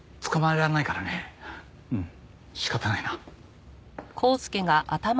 うん仕方ないな。